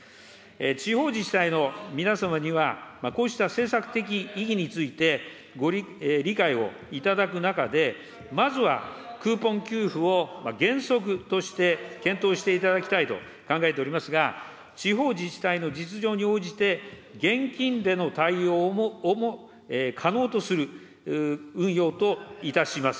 地方自治体の皆様には、こうした政策的意義について、理解をいただく中で、まずはクーポン給付を原則として検討していただきたいと考えておりますが、地方自治体の実情に応じて、現金での対応をも可能とする運用といたします。